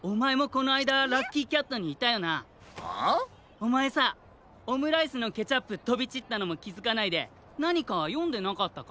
おまえさオムライスのケチャップとびちったのもきづかないでなにかよんでなかったか？